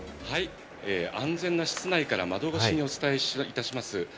安全な室内から窓越しでお伝えします。